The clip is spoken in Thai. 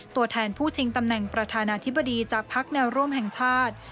ตัวแทนผู้ชิงตำแหน่งประธานาธิบดีจากพักแนวร่วมแห่งชาติ